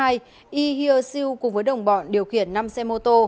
y hiêu siêu cùng với đồng bọn điều khiển năm xe mô tô